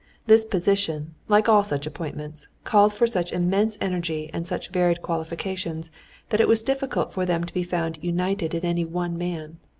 This position, like all such appointments, called for such immense energy and such varied qualifications, that it was difficult for them to be found united in any one man.